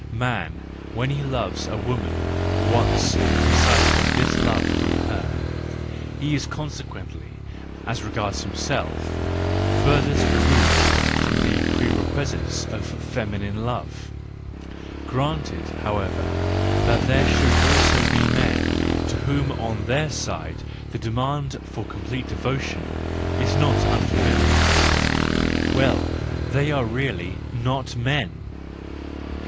—Man, when he loves a woman, wants precisely this love from her; he is consequently, as regards himself, furthest re¬ moved from the prerequisites of feminine love; 21 322 THE JOYFUL WISDOM, V granted, however, that there should also be men to whom on their side the demand for complete devotion is not unfamiliar,—well, they are really— not men.